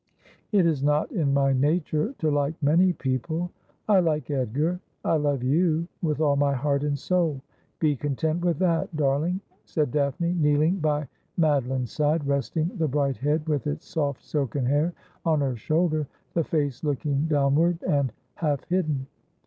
' It is not in my nature to like many people. I like Edgar. I love you, with all my heart and soul. Be content with that, darling,' said Daphne, kneeling by Madeline's side, resting the bright head, with its soft silken hair, on her shoulder — the face looking downward and half hidden.